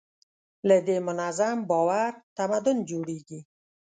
له دې منظم باور تمدن جوړېږي.